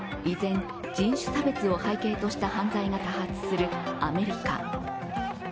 依然、人種差別を背景とした犯罪が多発するアメリカ。